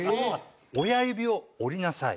「親指を折りなさい」。